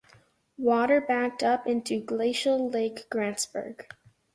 Water backed up into Glacial Lake Grantsburg.